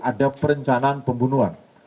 ada perencanaan pembunuhan